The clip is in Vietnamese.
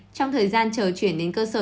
trong thời gian chờ chuyển đến cơ sở